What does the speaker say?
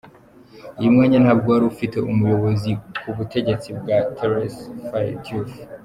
Uyu mwanya ntabwo wari ufite umuyobozi ku butegetsi bwa Thérèse Faye Diouf.